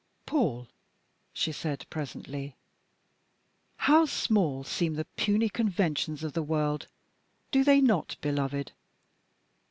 "Paul," she said presently, "how small seem the puny conventions of the world, do they not, beloved?